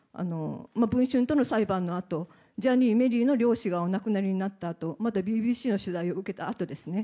文春との裁判のあとジャニー、メリーの両氏がお亡くなりになったあとまたＢＢＣの取材を受けたあとですね。